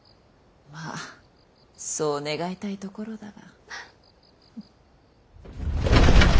まあそう願いたいところだが。